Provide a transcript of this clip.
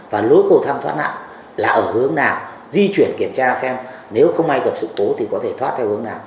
đối cầu tham thoát nạn là ở hướng nào di chuyển kiểm tra xem nếu không ai gặp sự cố thì có thể thoát theo hướng nào